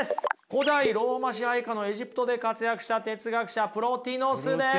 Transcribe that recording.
古代ローマ支配下のエジプトで活躍した哲学者プロティノスです。